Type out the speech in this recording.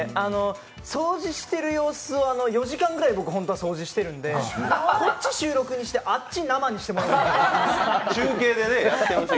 掃除している様子を、４時間ぐらい僕、掃除してるんでこっち収録にして、あっち生にしてほしい。